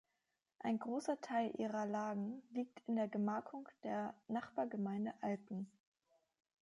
Ein großer Teil ihrer Lagen liegt in der Gemarkung der Nachbargemeinde Alken.